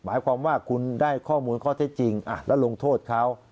หมายความว่าคุณได้ข้อมูลข้อเท็จจริงและลงโทษเขา